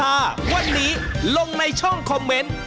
มาวันนี้ลงในช่องคอมเมนต์